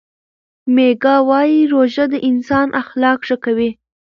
میکا وايي روژه د انسان اخلاق ښه کوي.